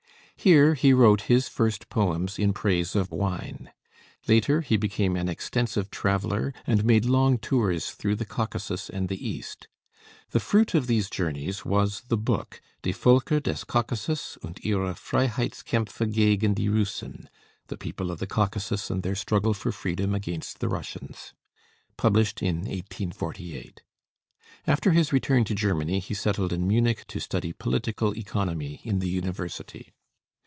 Here he wrote his first poems in praise of wine. Later he became an extensive traveler, and made long tours through the Caucasus and the East. The fruit of these journeys was the book 'Die Völker des Caucasus und ihre Freiheitskämpfe gegen die Russen' (The People of the Caucasus and their Struggle for Freedom against the Russians), published in 1848. After his return to Germany he settled in Münich to study political economy in the University.